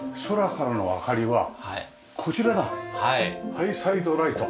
ハイサイドライト。